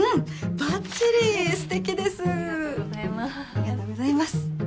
ありがとうございます。